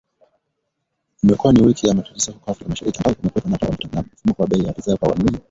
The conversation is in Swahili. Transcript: Imekuwa ni wiki ya matatizo huko Afrika Mashariki, ambako kumekuwepo na uhaba wa mafuta na mfumuko wa bei za bidhaa kwa wanunuzi